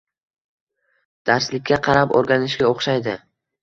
darslikka qarab o‘rganishga o‘xshaydi.